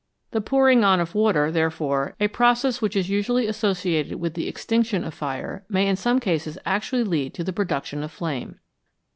The pouring on of water, therefore, a process which is usually associated with the extinction of fire, may in some cases actually lead to the production of flame.